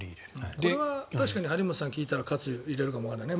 これは確かに張本さんが聞いたら喝入れるかもわからないね。